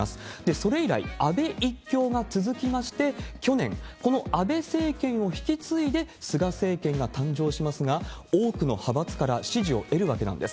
それ以来、安倍一強が続きまして、去年、この安倍政権を引き継いで、菅政権が誕生しますが、多くの派閥から支持を得るわけなんです。